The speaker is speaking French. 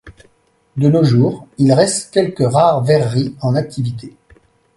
De nos jours, il reste quelques rares verreries en activité.